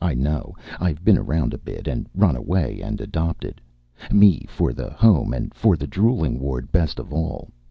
I know. I've been around a bit, and run away, and adopted. Me for the Home, and for the drooling ward best of all.